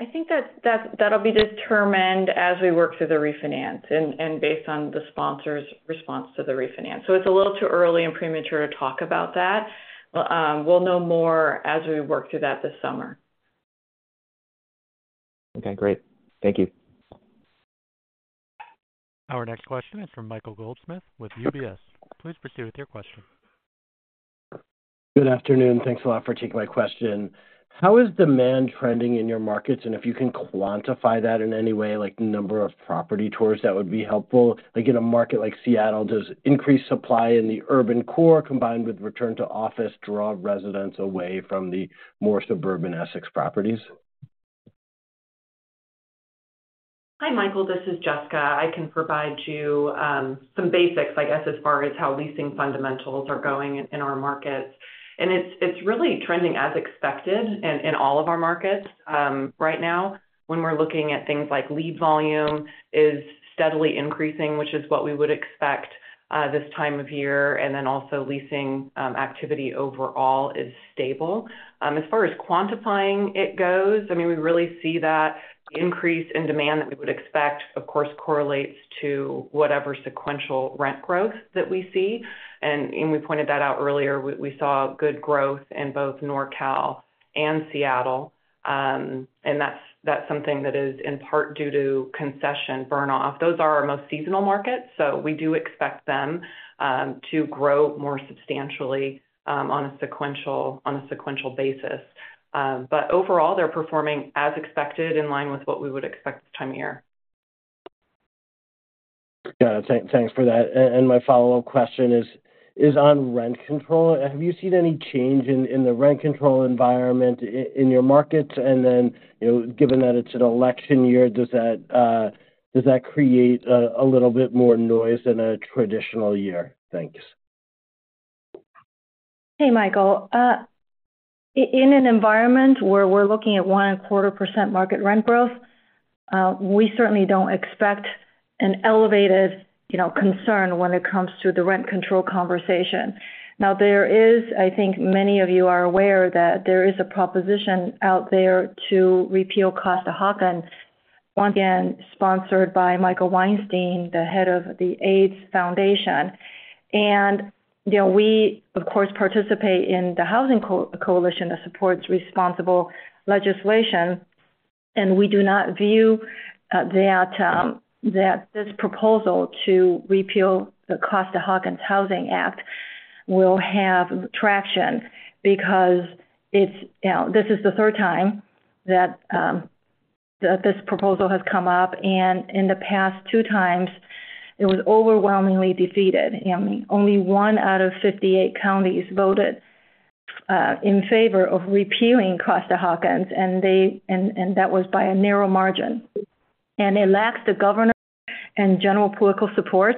I think that that'll be determined as we work through the refinance and based on the sponsor's response to the refinance. So it's a little too early and premature to talk about that. We'll know more as we work through that this summer. Okay, great. Thank you. Our next question is from Michael Goldsmith with UBS. Please proceed with your question. Good afternoon. Thanks a lot for taking my question. How is demand trending in your markets? And if you can quantify that in any way, like number of property tours, that would be helpful. Like in a market like Seattle, does increased supply in the urban core, combined with return to office, draw residents away from the more suburban Essex properties? Hi, Michael, this is Jessica. I can provide you some basics, I guess, as far as how leasing fundamentals are going in our markets. And it's really trending as expected in all of our markets. Right now, when we're looking at things like lease volume is steadily increasing, which is what we would expect this time of year, and then also leasing activity overall is stable. As far as quantifying it goes, I mean, we really see that increase in demand that we would expect, of course, correlates to whatever sequential rent growth that we see. And we pointed that out earlier. We saw good growth in both NorCal and Seattle, and that's something that is in part due to concession burn-off. Those are our most seasonal markets, so we do expect them to grow more substantially on a sequential basis. But overall, they're performing as expected, in line with what we would expect this time of year. Yeah, thanks, thanks for that. And my follow-up question is on rent control. Have you seen any change in the rent control environment in your markets? And then, you know, given that it's an election year, does that create a little bit more noise than a traditional year? Thanks. Hey, Michael. In an environment where we're looking at 1.25% market rent growth, we certainly don't expect an elevated, you know, concern when it comes to the rent control conversation. Now, there is... I think many of you are aware that there is a proposition out there to repeal Costa-Hawkins, once again, sponsored by Michael Weinstein, the head of the AIDS Foundation. And, you know, we, of course, participate in the housing coalition that supports responsible legislation, and we do not view that this proposal to repeal the Costa-Hawkins Housing Act will have traction. Because it's, you know, this is the third time that this proposal has come up, and in the past two times, it was overwhelmingly defeated. I mean, only 1 out of 58 counties voted in favor of repealing Costa-Hawkins, and that was by a narrow margin. It lacks the governor and general political support.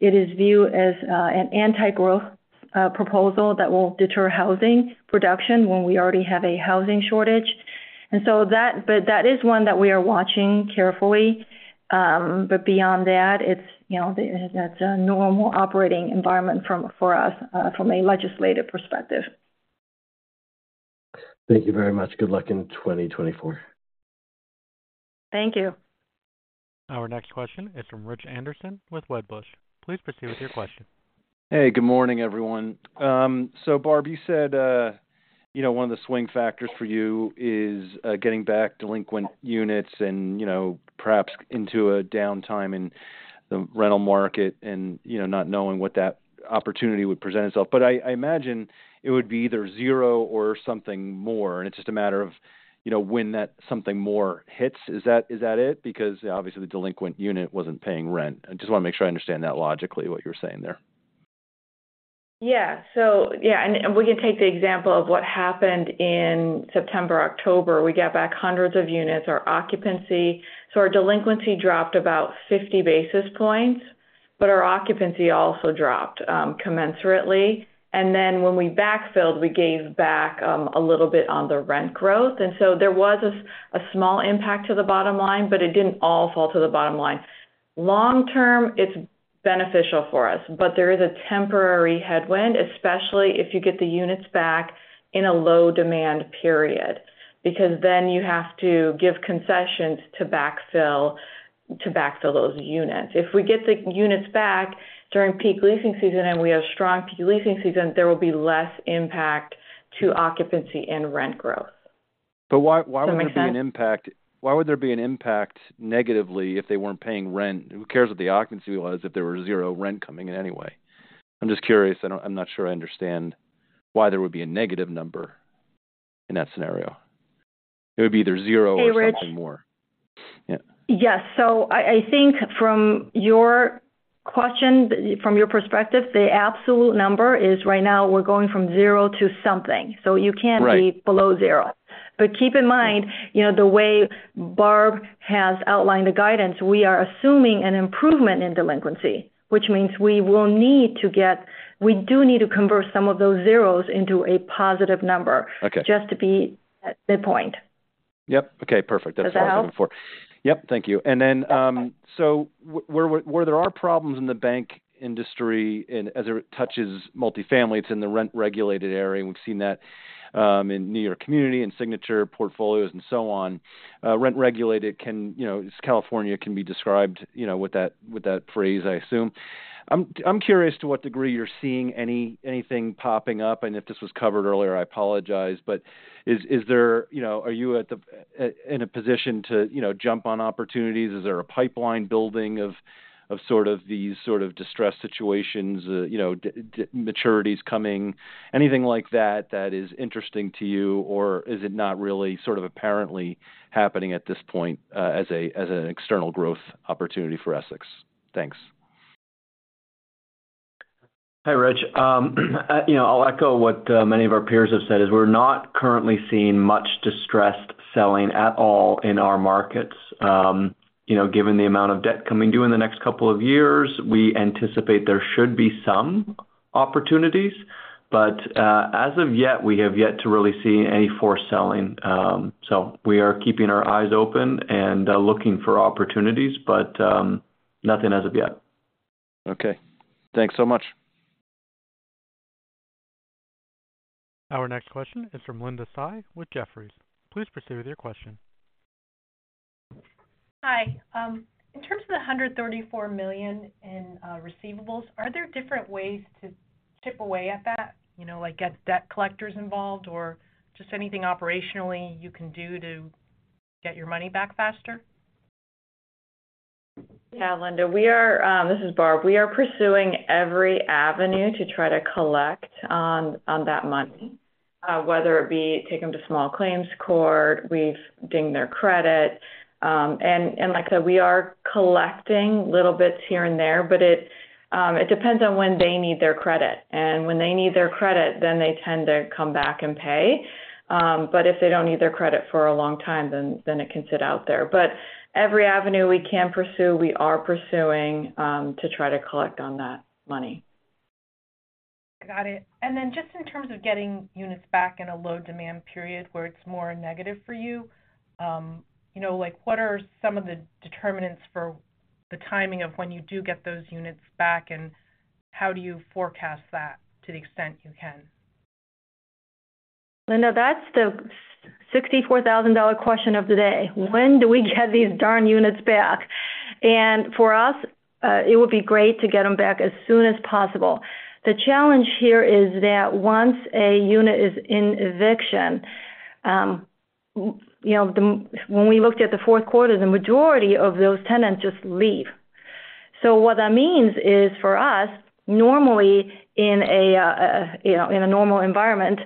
It is viewed as an anti-growth proposal that will deter housing production when we already have a housing shortage. But that is one that we are watching carefully. But beyond that, it's, you know, that's a normal operating environment for us from a legislative perspective. Thank you very much. Good luck in 2024. Thank you. Our next question is from Rich Anderson with Wedbush. Please proceed with your question.... Hey, good morning, everyone. So Barb, you said, you know, one of the swing factors for you is, getting back delinquent units and, you know, perhaps into a downtime in the rental market and, you know, not knowing what that opportunity would present itself. But I, I imagine it would be either zero or something more, and it's just a matter of, you know, when that something more hits. Is that, is that it? Because obviously, the delinquent unit wasn't paying rent. I just want to make sure I understand that logically, what you're saying there. Yeah. So, yeah, and we can take the example of what happened in September, October. We got back hundreds of units. Our occupancy. So our delinquency dropped about 50 basis points, but our occupancy also dropped commensurately. And then when we backfilled, we gave back a little bit on the rent growth. And so there was a small impact to the bottom line, but it didn't all fall to the bottom line. Long term, it's beneficial for us, but there is a temporary headwind, especially if you get the units back in a low-demand period, because then you have to give concessions to backfill, to backfill those units. If we get the units back during peak leasing season, and we have strong peak leasing season, there will be less impact to occupancy and rent growth. But why, why would there be an impact? Does that make sense? Why would there be an impact negatively if they weren't paying rent? Who cares what the occupancy was if there was zero rent coming in anyway? I'm just curious. I'm not sure I understand why there would be a negative number in that scenario. It would be either zero or something more. Hey, Rich. Yeah. Yes. So I think from your question, from your perspective, the absolute number is right now we're going from zero to something. Right. You can't be below zero. But keep in mind, you know, the way Barb has outlined the guidance, we are assuming an improvement in delinquency, which means we do need to convert some of those zeros into a positive number- Okay. just to be at midpoint. Yep. Okay, perfect. Does that help? Yep, thank you. And then, so where there are problems in the bank industry and as it touches multifamily, it's in the rent-regulated area, and we've seen that in New York Community and Signature portfolios and so on. Rent-regulated can, you know, California can be described, you know, with that, with that phrase, I assume. I'm curious to what degree you're seeing anything popping up, and if this was covered earlier, I apologize. But is there... You know, are you in a position to, you know, jump on opportunities? Is there a pipeline building of these sort of distressed situations, you know, maturities coming, anything like that, that is interesting to you? Or is it not really sort of apparently happening at this point, as a, as an external growth opportunity for Essex? Thanks. Hi, Rich. You know, I'll echo what many of our peers have said is we're not currently seeing much distressed selling at all in our markets. You know, given the amount of debt coming due in the next couple of years, we anticipate there should be some opportunities, but as of yet, we have yet to really see any forced selling. So we are keeping our eyes open and looking for opportunities, but nothing as of yet. Okay. Thanks so much. Our next question is from Linda Tsai with Jefferies. Please proceed with your question. Hi. In terms of the $134 million in receivables, are there different ways to chip away at that? You know, like, get debt collectors involved or just anything operationally you can do to get your money back faster? Yeah, Linda, we are. This is Barb. We are pursuing every avenue to try to collect on that money, whether it be take them to small claims court, we've dinged their credit. And like I said, we are collecting little bits here and there, but it depends on when they need their credit. And when they need their credit, then they tend to come back and pay. But if they don't need their credit for a long time, then it can sit out there. But every avenue we can pursue, we are pursuing to try to collect on that money. Got it. And then just in terms of getting units back in a low-demand period where it's more negative for you, you know, like, what are some of the determinants for the timing of when you do get those units back, and how do you forecast that to the extent you can? Linda, that's the $64,000 question of the day: When do we get these darn units back? And for us, it would be great to get them back as soon as possible. The challenge here is that once a unit is in eviction, you know, When we looked at the fourth quarter, the majority of those tenants just leave. So what that means is, for us, normally in a, you know, in a normal environment,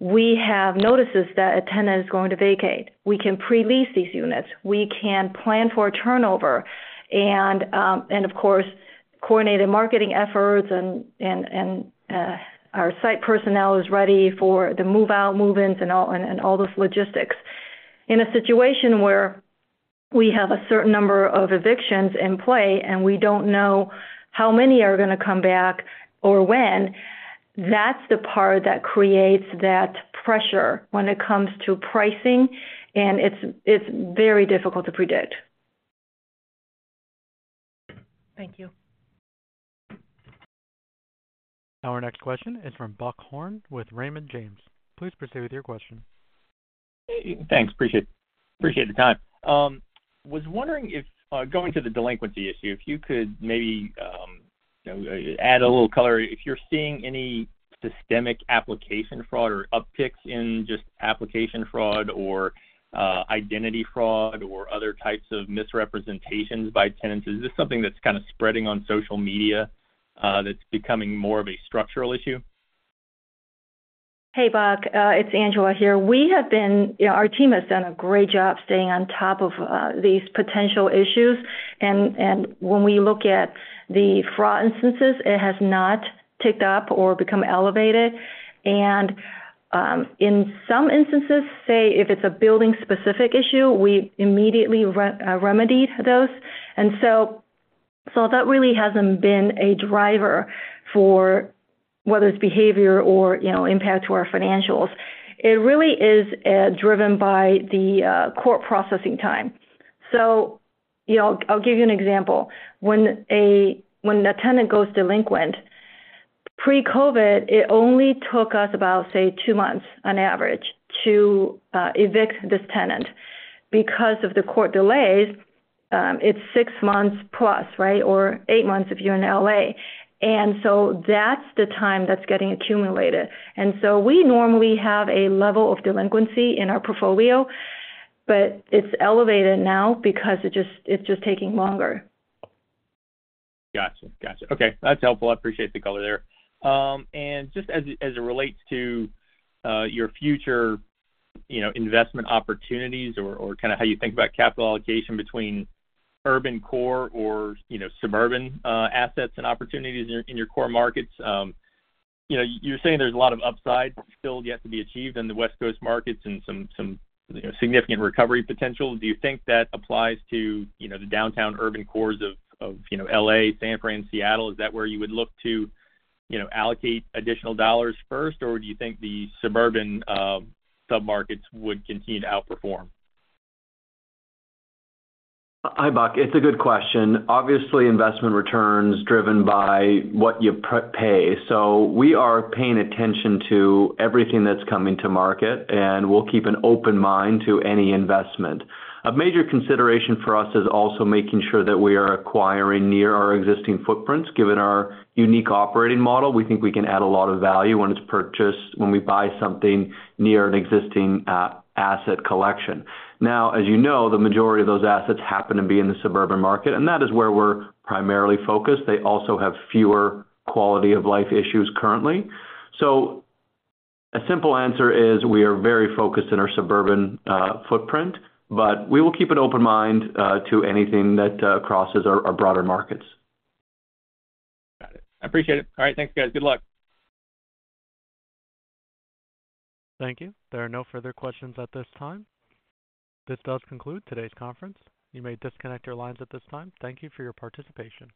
we have notices that a tenant is going to vacate. We can pre-lease these units, we can plan for a turnover, and, and of course, coordinated marketing efforts and, and, and, our site personnel is ready for the move-out, move-ins and all, and, and all those logistics. In a situation where we have a certain number of evictions in play, and we don't know how many are gonna come back or when, that's the part that creates that pressure when it comes to pricing, and it's, it's very difficult to predict. Thank you. Our next question is from Buck Horne with Raymond James. Please proceed with your question. ... Thanks. Appreciate, appreciate the time. Was wondering if, going to the delinquency issue, if you could maybe, you know, add a little color. If you're seeing any systemic application fraud or upticks in just application fraud or, identity fraud or other types of misrepresentations by tenants. Is this something that's kind of spreading on social media, that's becoming more of a structural issue? Hey, Buck, it's Angela here. You know, our team has done a great job staying on top of these potential issues. And when we look at the fraud instances, it has not ticked up or become elevated. And in some instances, say, if it's a building-specific issue, we immediately remedy those. And so that really hasn't been a driver for whether it's behavior or, you know, impact to our financials. It really is driven by the court processing time. So, you know, I'll give you an example. When a tenant goes delinquent, pre-COVID, it only took us about, say, two months on average to evict this tenant. Because of the court delays, it's six months plus, right? Or eight months if you're in L.A. And so that's the time that's getting accumulated. We normally have a level of delinquency in our portfolio, but it's elevated now because it's just taking longer. Gotcha. Gotcha. Okay, that's helpful. I appreciate the color there. And just as it relates to your future, you know, investment opportunities or kind of how you think about capital allocation between urban core or, you know, suburban assets and opportunities in your core markets. You know, you're saying there's a lot of upside still yet to be achieved in the West Coast markets and some, you know, significant recovery potential. Do you think that applies to, you know, the downtown urban cores of, you know, LA, San Fran, Seattle? Is that where you would look to, you know, allocate additional dollars first, or do you think the suburban submarkets would continue to outperform? Hi, Buck. It's a good question. Obviously, investment returns driven by what you pay. So we are paying attention to everything that's coming to market, and we'll keep an open mind to any investment. A major consideration for us is also making sure that we are acquiring near our existing footprints. Given our unique operating model, we think we can add a lot of value when we buy something near an existing asset collection. Now, as you know, the majority of those assets happen to be in the suburban market, and that is where we're primarily focused. They also have fewer quality of life issues currently. So a simple answer is we are very focused in our suburban footprint, but we will keep an open mind to anything that crosses our broader markets. Got it. I appreciate it. All right. Thanks, guys. Good luck. Thank you. There are no further questions at this time. This does conclude today's conference. You may disconnect your lines at this time. Thank you for your participation.